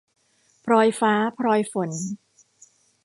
พลอยฟ้าพลอยฝน